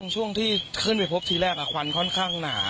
ช่วงที่ขึ้นไปพบทีแรกควันค่อนข้างหนา